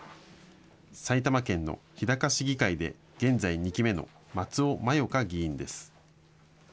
埼玉県の日高市議会で現在２期目の松尾万葉香議員です。